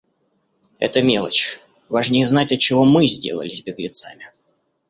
Это мелочь. Важнее знать, отчего мы сделались беглецами?